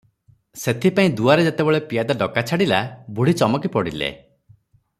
ସେଥିପାଇଁ ଦୁଆରେ ଯେତେବେଳେ ପିଆଦା ଡକା ଛାଡ଼ିଲା, ବୁଢ଼ୀ ଚମକି ପଡ଼ିଲେ ।